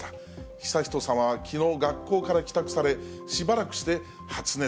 悠仁さまはきのう学校から帰宅され、しばらくして発熱。